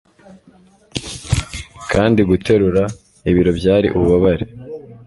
kandi guterura ibiro byari ububabare